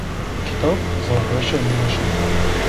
Kitab zaf weşê min a şî